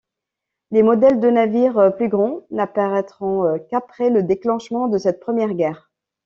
Les modèles de navire plus grands n'apparaitront qu'après le déclenchement de cette première guerre.